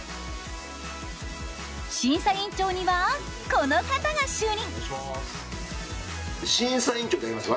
審査員長には、この方が就任！